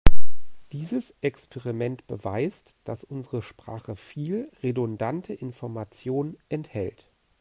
Dieses Experiment beweist, dass unsere Sprache viel redundante Information enthält.